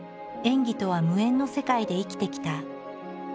演技とは無縁の世界で生きてきた。